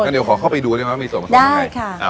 เดี๋ยวขอเข้าไปดูได้ไหมว่ามีส่วนผสมยังไง